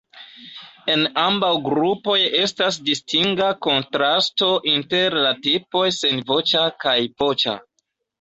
En ambaŭ grupoj estas distinga kontrasto inter la tipoj senvoĉa kaj voĉa.